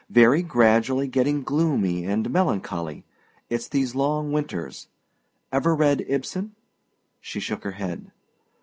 Very gradually getting gloomy and melancholy. It's these long winters. Ever read Ibsen?" She shook her head.